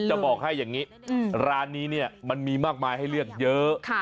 จะบอกให้อย่างนี้ร้านนี้เนี่ยมันมีมากมายให้เลือกเยอะ